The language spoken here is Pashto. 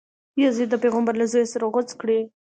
یزید د پیغمبر له زویه سر غوڅ کړی.